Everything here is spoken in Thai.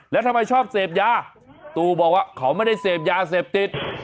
แล้วทำไมชอบเสพยาตู้บอกว่าเขาไม่ได้เสพยาเสพติด